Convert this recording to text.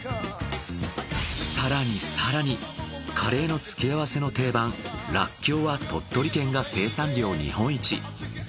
更に更にカレーの付け合わせの定番らっきょうは鳥取県が生産量日本一。